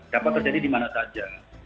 siapa terjadi di mana saja